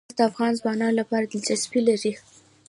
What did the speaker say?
ګاز د افغان ځوانانو لپاره دلچسپي لري.